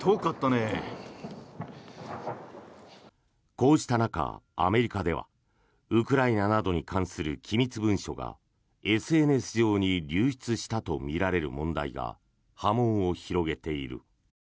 こうした中、アメリカではウクライナなどに関する機密文書がＳＮＳ上に流出したとみられる問題が波紋を広げている。